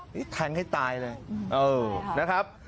นี่แทงให้ตายเลยนะครับ